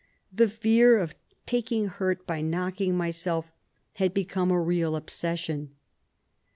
The fear of taking hurt by knocking myself had become a real obsession.